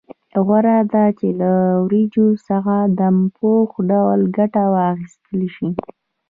غوره ده چې له وریجو څخه دم پوخ ډول ګټه واخیستل شي.